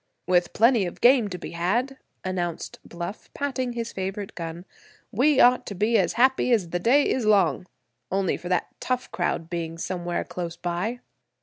"With plenty of game to be had," announced Bluff, patting his favorite gun, "we ought to be as happy as the day is long—only for that tough crowd being somewhere close by."